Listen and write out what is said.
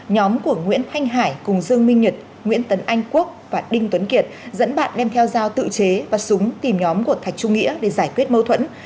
nhóm của nguyễn thanh hải cùng dương minh nhật nguyễn tấn anh quốc và đinh tuấn kiệt dẫn bạn đem theo dao tự chế và súng tìm nhóm của thạch trung nghĩa để giải quyết mâu thuẫn